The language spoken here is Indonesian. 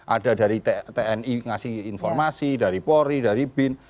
ada dari tni ngasih informasi dari polri dari bin